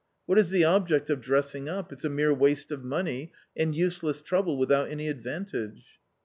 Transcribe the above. What is the object of dressing up ? it's a mere waste of money and useless trouble without any advantage."